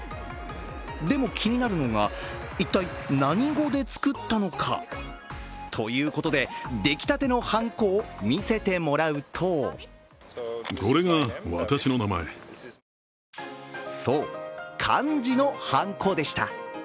でも、気になるのが一体何語で作ったのか？ということで、出来たてのはんこを見せてもらうとそう、漢字のはんこでした。